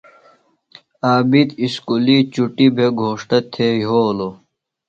عابد اُسکُلیۡ چُٹیۡ بھےۡ گھوݜٹہ تھےۡ یھولوۡ ۔